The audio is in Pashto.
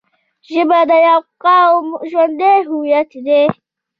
ژبه د یوه قوم ژوندی هویت دی